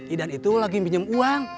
idan itu lagi pinjam uang